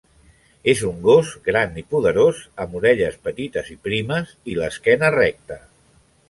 És un gos gran i poderós, amb orelles petites i primes i l'esquena recta.